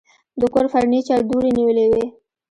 د کور فرنيچر دوړې نیولې وې.